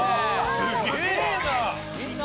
すげえな！